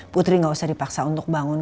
putri nggak usah dipaksa untuk bangun